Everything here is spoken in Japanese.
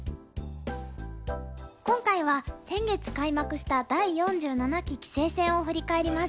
今回は先月開幕した第４７期棋聖戦を振り返ります。